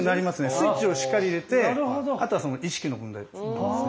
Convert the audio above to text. スイッチをしっかり入れてあとは意識の問題ですね。